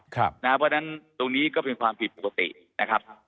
เพราะฉะนั้นตรงนี้ก็เป็นความผิดปกตินะครับ